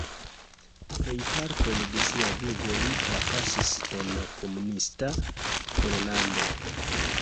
Plejparton de sia vivo li trapasis en komunista Pollando.